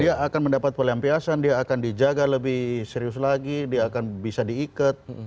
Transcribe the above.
dia akan mendapat pelampiasan dia akan dijaga lebih serius lagi dia akan bisa diikat